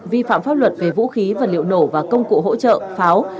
vi phạm pháp luật về vũ khí vật liệu nổ và công cụ hỗ trợ pháo